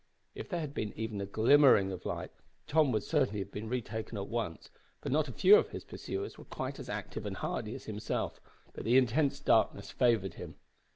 If there had been even a glimmering of light Tom would certainly have been retaken at once, for not a few of his pursuers were quite as active and hardy as himself, but the intense darkness favoured him.